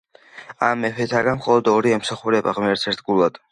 ამ მეფეთაგან მხოლოდ ორი ემსახურებოდა ღმერთს ერთგულად.